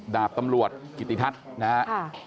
ดาบตำรวจกิติทัศน์นะครับ